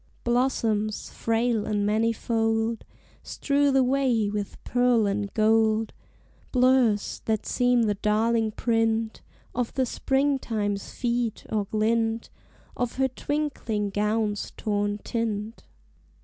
Blossoms, frail and manifold, Strew the way with pearl and gold; Blurs, that seem the darling print Of the Springtime's feet, or glint Of her twinkling gown's torn tint.